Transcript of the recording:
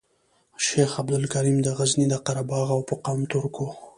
شیخ عبدالکریم د غزني د قره باغ او په قوم ترک وو.